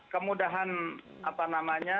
kemudahan apa namanya